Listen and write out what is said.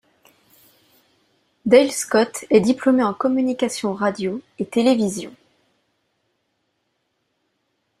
Dale Scott est diplômé en communication radio et télévision.